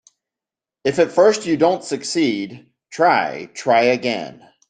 If at first you don't succeed, try, try again.